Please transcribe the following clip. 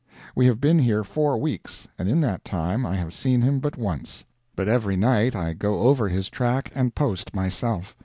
We have been here four weeks, and in that time I have seen him but once; but every night I go over his track and post myself.